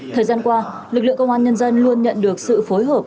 thời gian qua lực lượng công an nhân dân luôn nhận được sự phối hợp